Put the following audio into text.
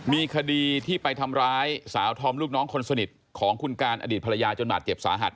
มีคดีที่ไปทำร้ายสาวธอมลูกน้องคนสนิทของคุณการอดีตภรรยาจนบาดเจ็บสาหัส